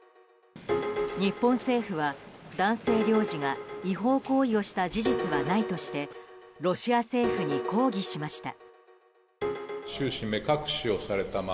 日本政府は男性領事が違法行為をした事実はないとしてロシア政府に抗議しました。